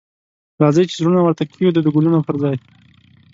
راځئ چې زړونه ورته کښیږدو د ګلونو پر ځای